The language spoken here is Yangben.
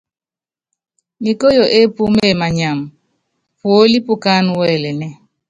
Nikóyo épúme manyama, puólí pukáánɛ́ wɛlɛnɛ́ɛ.